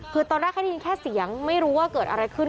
คือตอนแรกแค่ได้ยินแค่เสียงไม่รู้ว่าเกิดอะไรขึ้น